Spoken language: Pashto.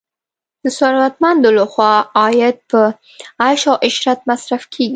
د ثروتمندو لخوا عاید په عیش او عشرت مصرف کیږي.